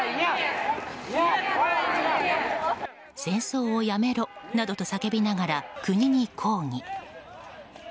戦争をやめろなどと叫びながら国に抗議。